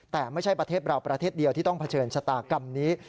แต่ไม่ใช่ประเทศเราประเทศเดียวที่ต้องเผชิญชะตากรรมนี้